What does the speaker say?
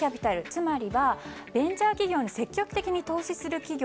つまりベンチャー企業に積極的に投資する企業